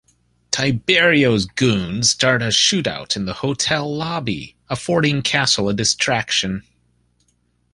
Tiberiu's goons start a shootout in the hotel lobby, affording Castle a distraction.